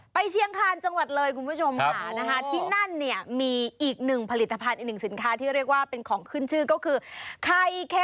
ไบเตยร้องเพ็งเพราะ